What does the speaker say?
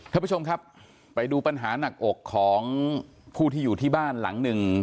ท่านผู้ชมครับไปดูปัญหาหนักอกของผู้ที่อยู่ที่บ้านหลังหนึ่ง